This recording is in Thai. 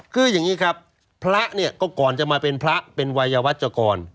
คืออย่างนี้ครับพระเนี่ยก็ก่อนจะมาเป็นพระเป็นวัยวัชกร